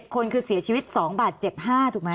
๗คนคือเสียชีวิตสองบาทเจ็บห้าถูกมั้ย